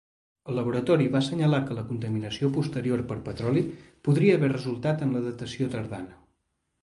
El laboratori va assenyalar que la contaminació posterior per petroli podria haver resultat en la datació tardana.